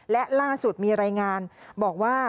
และล่าสุดมีรายงานบอกว่า